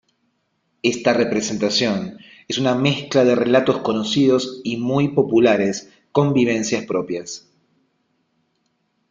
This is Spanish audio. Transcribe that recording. Esta representación es una mezcla de relatos conocidos y muy populares con vivencias propias.